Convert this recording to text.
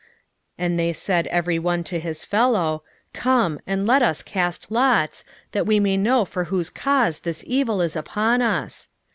1:7 And they said every one to his fellow, Come, and let us cast lots, that we may know for whose cause this evil is upon us.